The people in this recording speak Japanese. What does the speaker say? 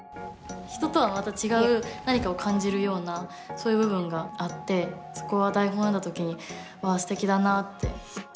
人とはまた違う何かを感じるようなそういう部分があってそこは台本を読んだ時にわあすてきだなって。